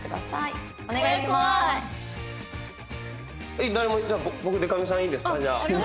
えっ誰もじゃあ僕でか美さんいいですかじゃあ。